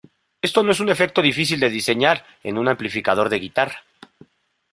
Esto no es un efecto difícil de diseñar en un amplificador de guitarra.